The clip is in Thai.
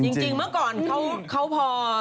จริงเมื่อก่อนเขาพอ